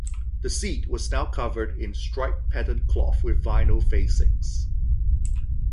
The seat was now covered in striped-pattern cloth with vinyl facings.